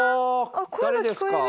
あっ声が聞こえる。